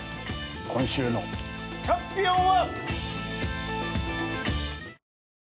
今週のチャンピオンは。